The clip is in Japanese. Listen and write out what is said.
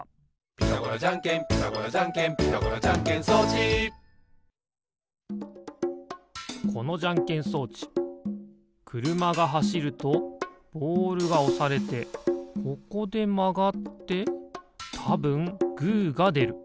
「ピタゴラじゃんけんピタゴラじゃんけん」「ピタゴラじゃんけん装置」このじゃんけん装置くるまがはしるとボールがおされてここでまがってたぶんグーがでる。